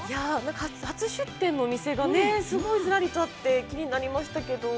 ◆初出店のお店がね、すごいずらりとあって、気になりましたけど。